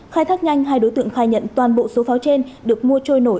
khai thác nhanh hai đối tượng khai nhận toàn bộ số pháo trên được mua trôi nổi